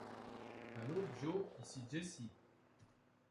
Allo Jo… Ici Jessie!